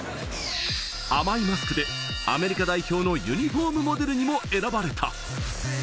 甘いマスクでアメリカ代表のユニホームモデルにも選ばれた。